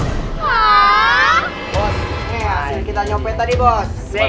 bos ini yang kita nyopet tadi bos